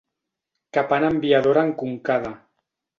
Capant amb viadora enconcada.